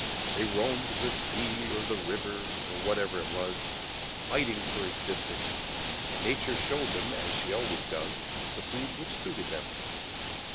They roamed the sea or the river, or whatever it was, fighting for existence, and Nature showed them, as she always does, the food which suited them.